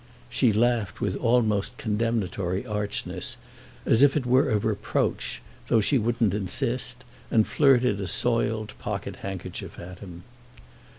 She laughed with almost condemnatory archness, as if it were a reproach—though she wouldn't insist; and flirted a soiled pocket handkerchief at him.